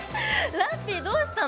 ラッピィどうしたの？